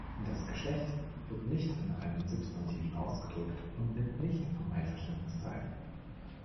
Das Geschlecht wird nicht in allen Substantiven ausgedrückt und nimmt nicht am Einverständnis teil.